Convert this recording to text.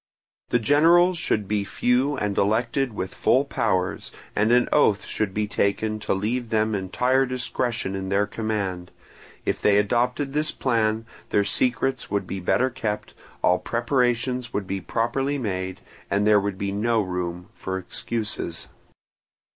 The generals should be few and elected with full powers, and an oath should be taken to leave them entire discretion in their command: if they adopted this plan, their secrets would be better kept, all preparations would be properly made, and there would be no room for excuses.